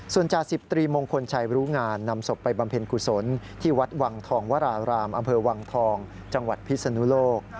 ส่วนจาสิบตรีมงคลชัยรู้งานนำศพไปบำเพ็ญกุศลที่วัดวังทองวรารามอำเภอวังทองจังหวัดพิศนุโลก